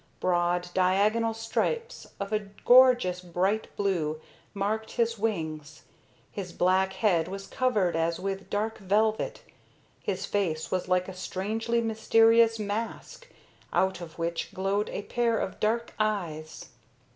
Broad, diagonal stripes of a gorgeous bright blue marked his wings, his black head was covered as with dark velvet, his face was like a strangely mysterious mask, out of which glowed a pair of dark eyes.